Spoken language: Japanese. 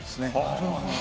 なるほど。